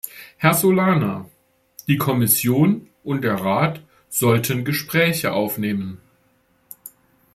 Herr Solana, die Kommission und der Rat sollten Gespräche aufnehmen.